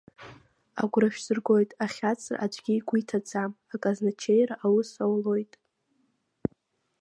Агәра шәсыргоит, ахьаҵра аӡәгьы игәы иҭаӡам, аказначеира аус аулоит!